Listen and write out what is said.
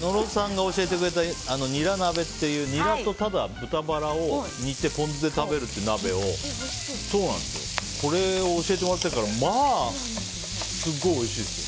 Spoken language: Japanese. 野呂さんが教えてくれたニラ鍋っていうニラと豚バラを煮てポン酢で食べるっていう鍋を教えてもらってまあ、すごいおいしいですよ。